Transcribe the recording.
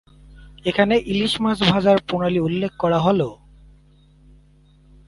এখানে ইলিশ মাছ ভাজার প্রণালী উল্লেখ করা হলো।